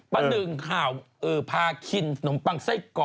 ประดึงข่าวพาคินนมปังไส้กรอก